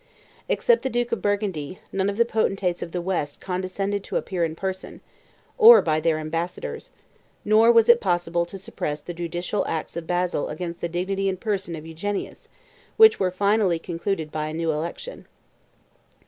Except the duke of Burgundy, none of the potentates of the West condescended to appear in person, or by their ambassadors; nor was it possible to suppress the judicial acts of Basil against the dignity and person of Eugenius, which were finally concluded by a new election.